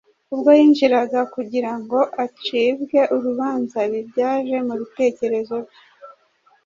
Ubwo yinjiraga kugira ngo acibwe urubanza, ibi byaje mu bitekerezo bye.